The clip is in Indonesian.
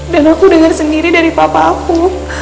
dan aku denger sendiri dari papa aku